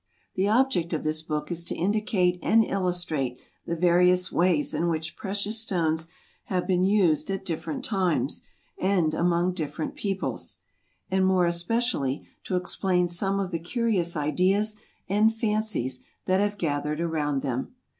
The object of this book is to indicate and illustrate the various ways in which precious stones have been used at different times and among different peoples, and more especially to explain some of the curious ideas and fancies that have gathered around them.